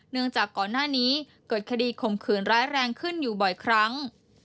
จากก่อนหน้านี้เกิดคดีข่มขืนร้ายแรงขึ้นอยู่บ่อยครั้ง